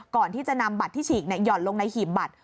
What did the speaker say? ก่อนที่จะนำบัตรที่ฉีกหย่อนลงในหีบบัตร